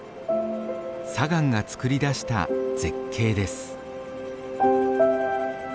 砂岩が作り出した絶景です。